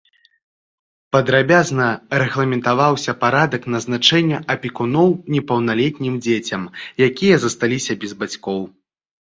Падрабязна рэгламентаваўся парадак назначэння апекуноў непаўналетнім дзецям, якія засталіся без бацькоў.